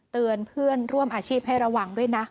เตือนเพื่อนร่วมอาชีพให้ระวังด้วยนะ